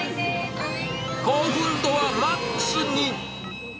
興奮度はマックスに。